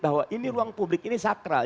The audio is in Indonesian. bahwa ini ruang publik ini sakral